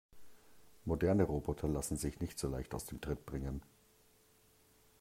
Moderne Roboter lassen sich nicht so leicht aus dem Tritt bringen.